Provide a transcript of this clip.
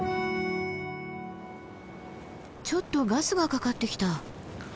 ちょっとガスがかかってきた。